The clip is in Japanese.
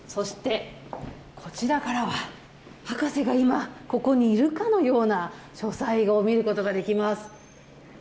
そしてこちらからは、博士が今、ここにいるかのような書斎を見ることができます。